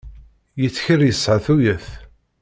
Yettkel yesɛa tuyat.